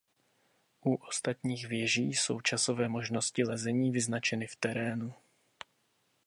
U ostatních věží jsou časové možnosti lezení vyznačeny v terénu.